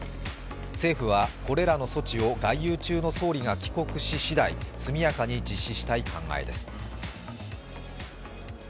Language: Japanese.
政府はこれらの措置を外遊中の総理が帰国ししだい、速やかに実施したい考えです。